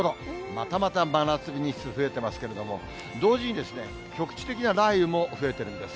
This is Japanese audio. またまた真夏日日数、増えてますけれども、同時に局地的な雷雨も増えてるんです。